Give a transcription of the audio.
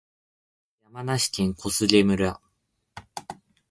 山梨県小菅村